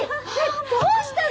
どうしたの？